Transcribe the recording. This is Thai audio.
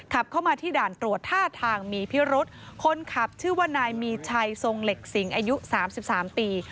ขับเข้ามาที่ด่านตรวจท่าทางมีพิรุษคนขับชื่อว่านายมีชัยทรงเหล็กสิงอายุสามสิบสามปี